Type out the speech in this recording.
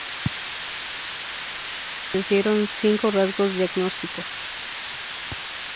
Los descriptores establecieron cinco rasgos diagnósticos.